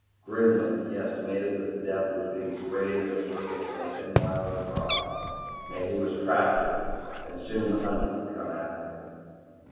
Grimly, he estimated that the death was being sprayed in a circle some ten miles across. And he was trapped in it, and soon the hunter would come after him.